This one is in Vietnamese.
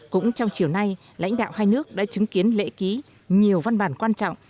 cũng trong chiều nay lãnh đạo hai nước đã chứng kiến lễ ký nhiều văn bản quan trọng